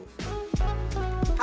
hb ini bisa merekam